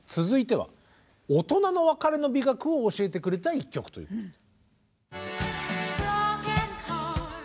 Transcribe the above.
続いてはオトナの別れの美学を教えてくれた１曲ということで。